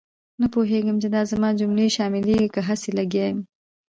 نه پوهېږم چې دا زما جملې شاملېږي که هسې لګیا یم.